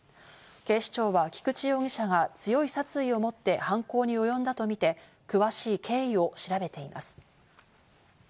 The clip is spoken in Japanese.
警視庁は菊池容疑者が強い殺意を持って犯行に及んだとみて詳しい経緯を調べています。